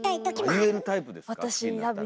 あっ言えるタイプですか？